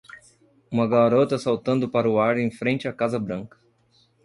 Uma garota saltando para o ar em frente à casa Branca.